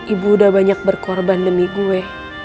ibu udah banyak berkorban demi gue